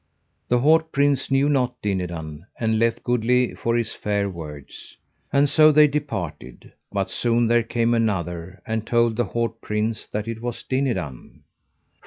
The haut prince knew not Dinadan, and left goodly for his fair words. And so they departed; but soon there came another and told the haut prince that it was Dinadan.